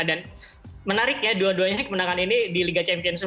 dan menarik ya dua duanya kemenangan ini di liga champion